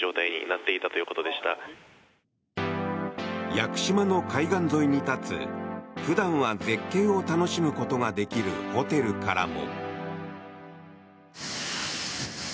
屋久島の海岸沿いに立つ普段は絶景を楽しむことができるホテルからも。